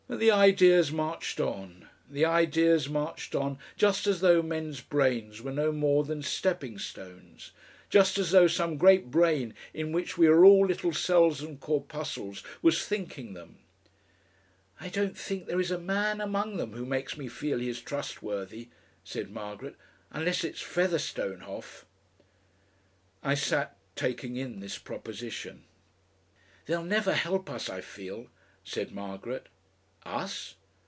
But the ideas marched on, the ideas marched on, just as though men's brains were no more than stepping stones, just as though some great brain in which we are all little cells and corpuscles was thinking them!... "I don't think there is a man among them who makes me feel he is trustworthy," said Margaret; "unless it is Featherstonehaugh." I sat taking in this proposition. "They'll never help us, I feel," said Margaret. "Us?"